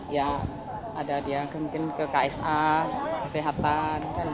ya ada dia mungkin ke ksa kesehatan